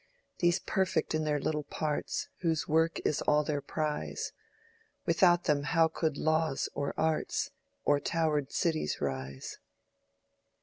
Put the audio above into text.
These perfect in their little parts, Whose work is all their prize— Without them how could laws, or arts, Or towered cities rise?